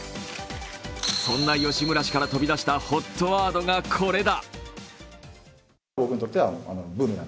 そんな吉村氏から飛び出したＨＯＴワードがこれだ。